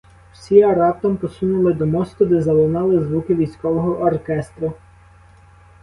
Всі раптом посунули до мосту, де залунали звуки військового оркестру.